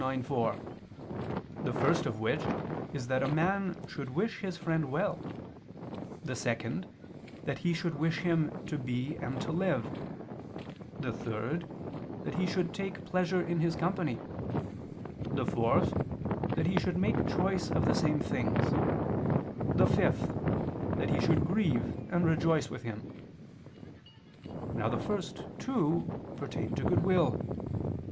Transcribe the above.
ix, 4), the first of which is that a man should wish his friend well; the second, that he should wish him to be and to live; the third, that he should take pleasure in his company; the fourth, that he should make choice of the same things; the fifth, that he should grieve and rejoice with him. Now the first two pertain to goodwill.